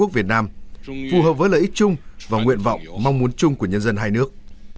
và nguyện vọng mong muốn chung của nhân dân hai nước